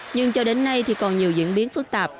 nhưng cho đến nay thì còn nhiều diễn biến phức tạp